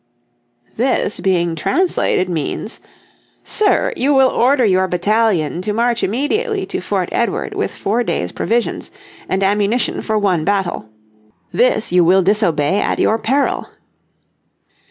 This being translated means:" Sir, you will order your battalion to march immediately to Fort Edward with four days' provisions, and ammunition for one battle. This you will disobey at your peril."